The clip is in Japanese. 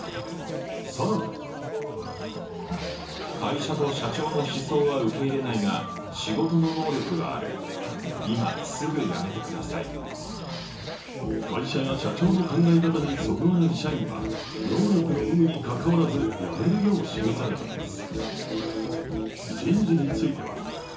更に会社や社長の考え方にそぐわない社員は能力の有無にかかわらず辞めるよう記されています。